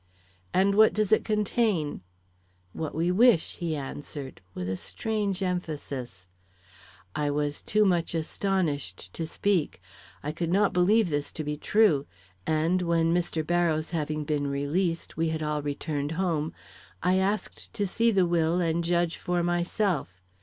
'And what does it contain?' 'What we wish,' he answered, with a strange emphasis. I was too much astonished to speak. I could not believe this to be true, and when, Mr. Barrows having been released, we had all returned home, I asked to see the will and judge for myself.